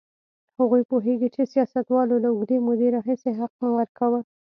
هغوی پوهېږي چې سیاستوالو له اوږدې مودې راهیسې حق نه ورکاوه.